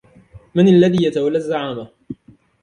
من الذي يتولى الزعامة ؟